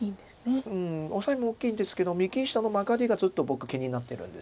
うんオサエも大きいんですけど右下のマガリがずっと僕気になってるんですよね。